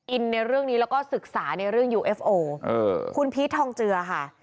ในเรื่องนี้แล้วก็ศึกษาในเรื่องยูเอฟโอคุณพีชทองเจือค่ะ